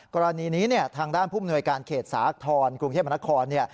กรณีนี้ทางด้านผู้มนวยการเขตสาธรณ์กรุงเทพมนคร